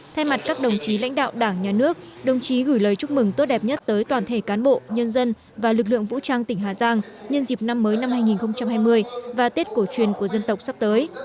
thay mặt các đồng chí lãnh đạo đảng nhà nước đồng chí gửi lời chúc mừng tốt đẹp nhất tới toàn thể cán bộ nhân dân và lực lượng vũ trang tỉnh hà giang nhân dịp năm mới năm hai nghìn hai mươi và tết cổ truyền của dân tộc sắp tới